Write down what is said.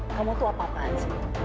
kamu tuh apa apaan sih